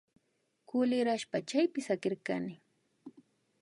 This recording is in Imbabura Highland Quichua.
Kulirashpa chaypi sakirkani